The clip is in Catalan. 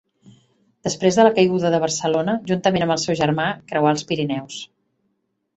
Després de la caiguda de Barcelona, juntament amb el seu germà creuà els Pirineus.